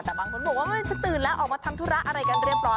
แต่บางคนบอกว่าไม่รู้จะตื่นแล้วออกมาทำธุระอะไรกันเรียบร้อย